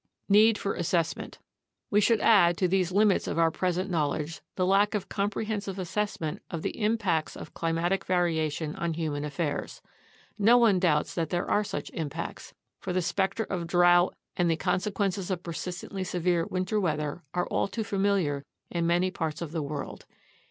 INTRODUCTION Need for Assessment We should add to these limits of our present knowledge the lack of comprehensive assessment of the impacts of climatic variation on human affairs. No one doubts that there are such impacts, for the specter of drought and the consequences of persistently severe winter weather are all too familiar in many parts of the world.